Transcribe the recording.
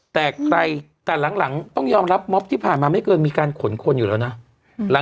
แต่ใครแต่หลังต้องยอมรับม็อบที่ผ่านมาไม่เคยมีการขนคนอยู่แล้วนะ